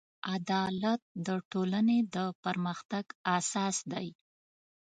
عدالت د ټولنې د پرمختګ اساس دی.